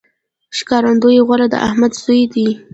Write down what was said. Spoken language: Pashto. ښکارندوی غوري د احمد زوی دﺉ.